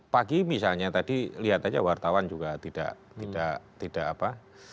pagi misalnya tadi lihat aja wartawan juga tidak tidak apa